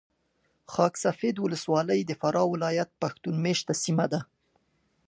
خاک سفید ولسوالي د فراه ولایت پښتون مېشته سیمه ده .